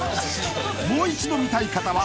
［もう一度見たい方は］